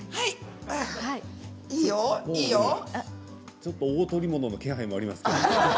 ちょっと大捕り物の気配もありますけれど。